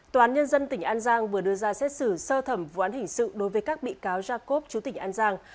tòa án nhân dân tỉnh an giang vừa đưa ra xét xử sơ thẩm vụ án hình sự đối với các bị cáo jacob chú tỉnh an giang